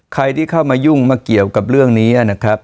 ใครที่เข้ามายุ่งมาเกี่ยวกับเรื่องนี้นะครับ